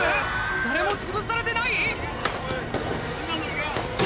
誰もつぶされてない？